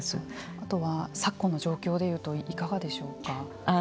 あとは昨今の状況で言うといかがでしょうか。